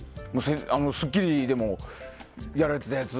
「スッキリ」でもやられてたやつ。